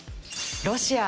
ロシア。